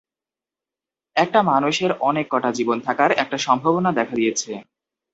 একটা মানুষের অনেক কটা জীবন থাকার একটা সম্ভাবনা দেখা দিয়েছে।